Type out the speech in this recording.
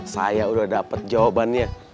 saya udah dapet jawabannya